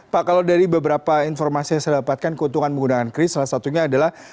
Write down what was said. pak kalau dari beberapa informasi yang saya dapatkan keuntungan menggunakan kris salah satunya adalah